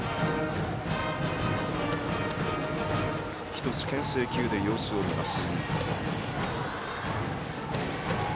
１つ、けん制球で様子を見ます。